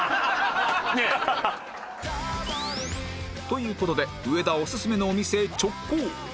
という事で上田オススメのお店へ直行！